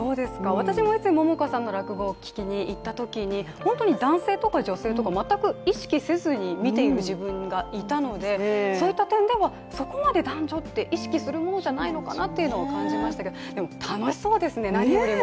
私も以前桃花さんの落語を聞きにいったときに本当に男性とか女性とか全く意識せずに見ている自分がいたので、そういった点では、そこまで男女と意識するものではないと感じましたが、でも、楽しそうですね、何よりも。